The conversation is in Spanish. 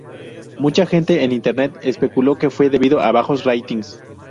Mucha gente en Internet especuló que fue debido a bajos "ratings".